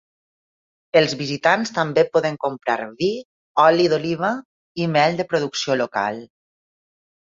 Els visitants també poden comprar vi, oli d'oliva i mel de producció local.